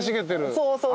そうそう。